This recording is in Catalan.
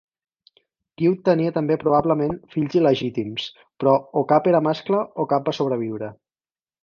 Guiu tenia també probablement fills il·legítims però o cap era mascle o cap va sobreviure.